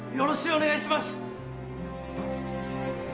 お願いします